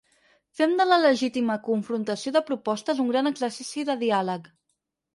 Fem de la legítima confrontació de propostes un gran exercici de diàleg.